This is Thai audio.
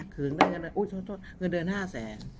๓๑๓๔คือเงินเดือน๕แสน